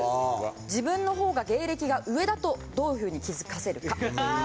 自分の方が芸歴が上だとどういうふうに気づかせるか？